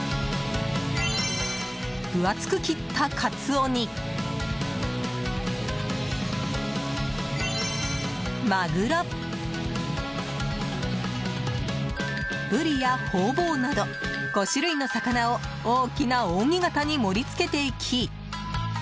分厚く切ったカツオに、マグロブリやホウボウなど５種類の魚を大きな扇形に盛り付けていき